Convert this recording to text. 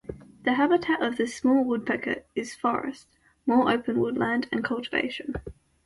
The habitat of this small woodpecker is forests, more open woodland, and cultivation.